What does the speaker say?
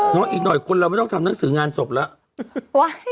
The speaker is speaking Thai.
น้องอีกหน่อยคนเราไม่ต้องทำหน้าสิริงงานศพแล้ว